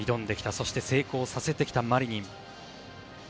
そして成功させてきたマリニン。